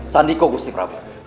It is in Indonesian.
sandiko gusti prabu